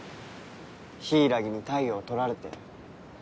柊に太陽取られて。